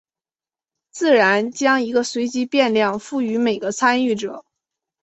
自然将一个随机变量赋予每个参与者。